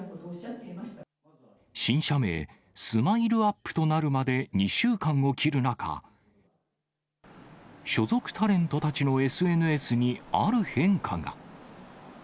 新社名、スマイルアップとなるまで２週間を切る中、所属タレントたちのＳＮＳに、ある変化が。